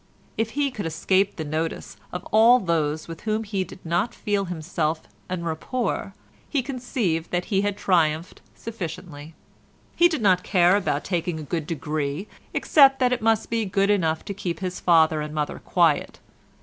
If he could escape the notice of all those with whom he did not feel himself en rapport, he conceived that he had triumphed sufficiently. He did not care about taking a good degree, except that it must be good enough to keep his father and mother quiet.